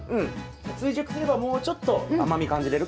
追熟すればもうちょっと甘み感じれるかもしれない。